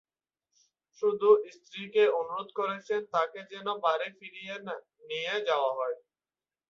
শুধু স্ত্রীকে অনুরোধ করেছেন তাঁকে যেন বাড়ি ফিরিয়ে নিয়ে যাওয়া হয়।